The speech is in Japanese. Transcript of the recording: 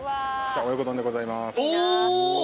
親子丼でございまーすおおっ